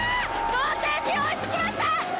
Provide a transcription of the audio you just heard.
同点に追いつきました！